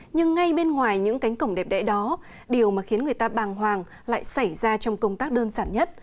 nhưng ngay bên ngoài những cánh cổng đẹp đẽ đó điều mà khiến người ta bàng hoàng lại xảy ra trong công tác đơn giản nhất